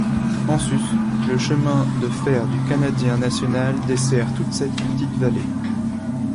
En sus, le chemin de fer du Canadien National dessert toute cette petite vallée.